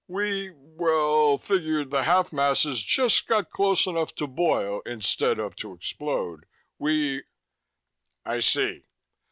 "We well figured the half masses just got close enough to boil instead of to explode. We " "I see."